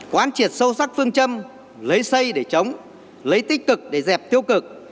quán triệt sâu sắc phương châm lấy xây để chống lấy tích cực để dẹp tiêu cực